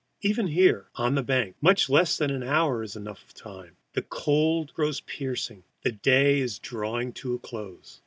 Even here, on the bank, much less than an hour is enough of time. The cold grows piercing. The day is drawing to a close.